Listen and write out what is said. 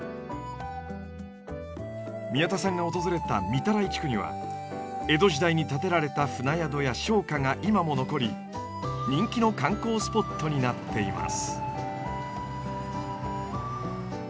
宮田さんが訪れた御手洗地区には江戸時代に建てられた船宿や商家が今も残り人気の観光スポットになっています。